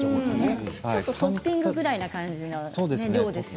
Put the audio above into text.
ちょっとトッピングぐらいの量ですよね。